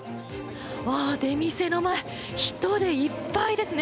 出店の前人でいっぱいですね。